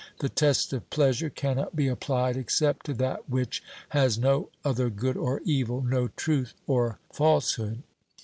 The test of pleasure cannot be applied except to that which has no other good or evil, no truth or falsehood.